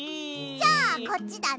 じゃあこっちだね！